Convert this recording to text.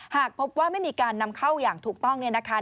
หากพบว่าไม่มีการนำเข้าอย่างถูกต้องเนี่ยนะคะ